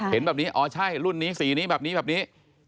เห็นแบบนี้อ๋อใช่รุ่นนี้สีนี้แบบนี้แบบนี้